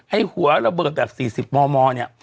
หัวระเบิดแบบ๔๐มมเนี่ย